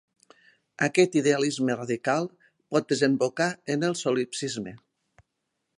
Aquest idealisme radical pot desembocar en el solipsisme.